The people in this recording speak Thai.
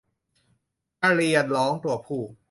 กระเรียนร้องตัวผู้